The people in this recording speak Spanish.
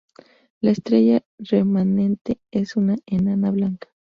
La estrella remanente es una enana blanca.